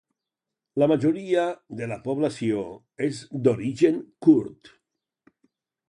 La majoria de la població és d'origen kurd.